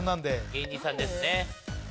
芸人さんですね。